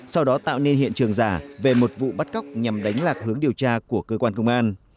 sau đó tạo nên hiện trường giả về một vụ bắt cóc nhằm đánh lạc hướng điều tra của cơ quan công an